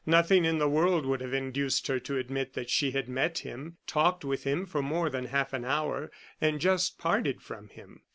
Nothing in the world would have induced her to admit that she had met him, talked with him for more than half an hour, and just parted from him.